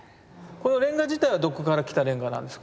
このレンガ自体はどこから来たレンガなんですか？